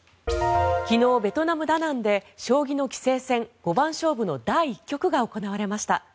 昨日、ベトナム・ダナンで将棋の棋聖戦五番勝負の第１局が行われました。